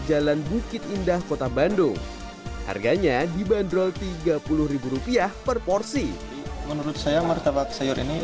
jalan bukit indah kota bandung harganya dibanderol tiga puluh rupiah per porsi menurut saya martabak sayur ini